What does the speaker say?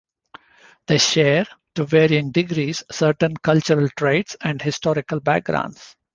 They share, to varying degrees, certain cultural traits and historical backgrounds.